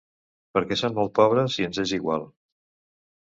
Perquè són molt pobres i ens és igual.